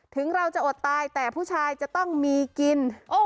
ถึงเราจะอดตายแต่ผู้ชายจะต้องมีกิน